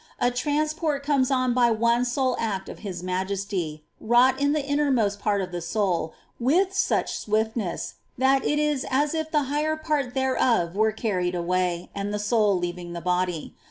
A transport comes on by one sole act of His Majesty, wi'ought in the innermost part of the soul with such swiftness that it is as if the higher part thereof were carried away, and the soul leaving the body.